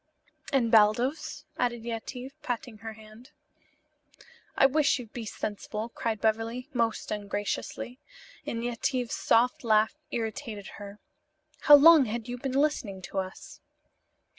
"And Baldos?" added Yetive, patting her hand. "I wish you'd be sensible," cried Beverly, most ungraciously, and Yetive's soft laugh irritated her. "How long had you been listening to us?"